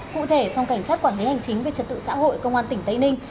cụ thể phòng cảnh sát quản lý hành chính về trật tự xã hội công an tỉnh tây ninh